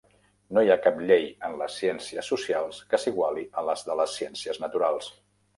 No hi ha cap llei en les ciències socials que s'iguali a les de les ciències naturals.